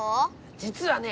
じつはね